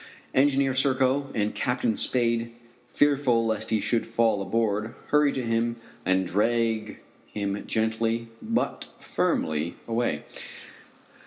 Engineer Serko and Captain Spade, fearful lest he should fall overboard, hurry to him and drag him gently, but firmly, away.